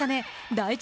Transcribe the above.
第１